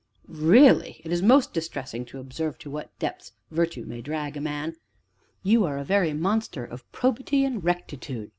"Really it is most distressing to observe to what depths Virtue may drag a man! you are a very monster of probity and rectitude!"